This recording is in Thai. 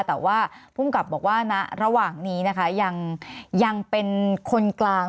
แต่ว่าภูมิกับบอกว่าณระหว่างนี้นะคะยังเป็นคนกลาง